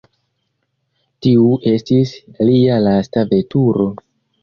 Tiu estis lia lasta veturo.